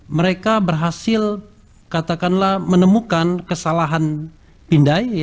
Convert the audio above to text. mereka berhasil katakanlah menemukan kesalahan pindai